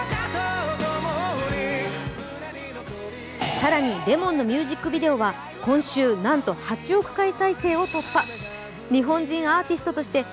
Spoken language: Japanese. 更に「Ｌｅｍｏｎ」のミュージックビデオは今週、なんと８億回再生を突破。